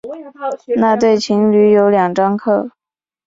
那对情侣有两张票